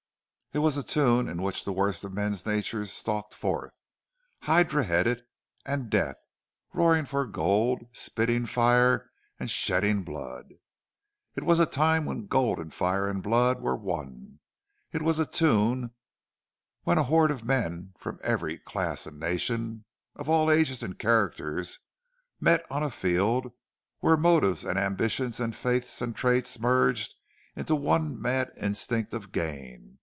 It was a tune in which the worst of men's natures stalked forth, hydra headed and deaf, roaring for gold, spitting fire, and shedding blood. It was a time when gold and fire and blood were one. It was a tune when a horde of men from every class and nation, of all ages and characters, met on a field were motives and ambitions and faiths and traits merged into one mad instinct of gain.